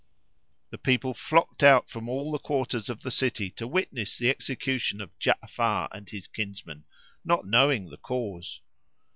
The people flocked out from all the quarters of the city to witness the execution of Ja'afar and his kinsmen, not knowing the cause.